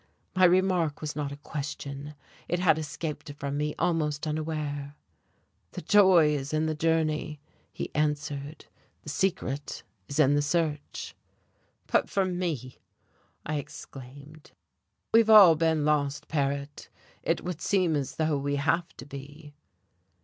My remark was not a question it had escaped from me almost unawares. "The joy is in the journey," he answered. "The secret is in the search." "But for me?" I exclaimed. "We've all been lost, Paret. It would seem as though we have to be."